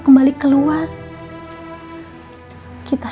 febri terb lingunew